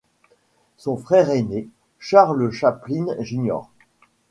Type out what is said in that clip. Son frère aîné, Charles Chaplin Jr.